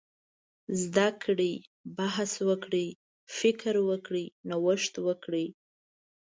زده کړي، بحث وکړي، فکر وکړي، نوښت وکړي.